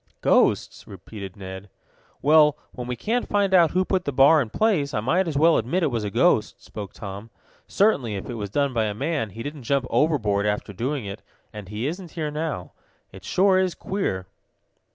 "Ghosts?" repeated Ned. "Well, when we can't find out who put that bar in place I might as well admit it was a ghost," spoke Tom. "Certainly, if it was done by a man, he didn't jump overboard after doing it, and he isn't here now. It sure is queer!"